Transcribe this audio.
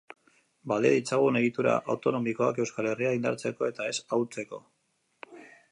Balia ditzagun egitura autonomikoak Euskal Herria indartzeko eta ez ahultzeko.